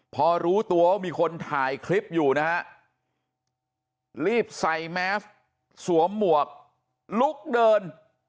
พอรู้ตัวว่ามีคนถ่ายคลิปอยู่นะฮะรีบใส่แมสสวมหมวกลุกเดิน